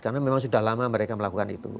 karena memang sudah lama mereka melakukan itu